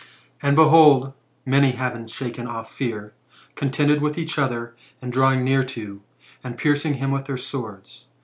And, be hold ! many, having shaken ofi" fear, contended with each other, in drawing near to, and piercing him with their swords.